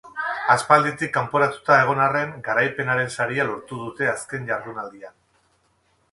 Aspalditik kanporatuta egon arren, garaipenaren saria lortu dute azken jardunaldian.